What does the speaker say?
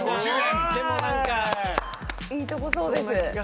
いいとこそうです。